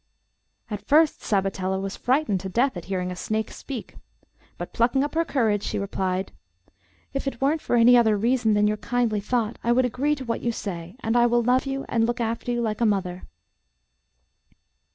At first Sabatella was frightened to death at hearing a snake speak, but plucking up her courage, she replied, 'If it weren't for any other reason than your kindly thought, I would agree to what you say, and I will love you and look after you like a mother.